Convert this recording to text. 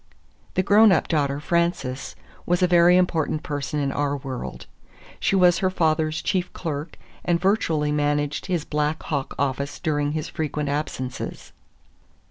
The grown up daughter, Frances, was a very important person in our world. She was her father's chief clerk, and virtually managed his Black Hawk office during his frequent absences.